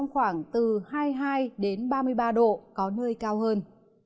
khoảng từ hai mươi hai ba mươi ba độ có nơi cao hơn